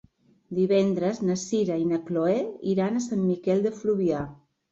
Divendres na Sira i na Chloé iran a Sant Miquel de Fluvià.